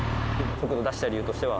速度を出した理由としては？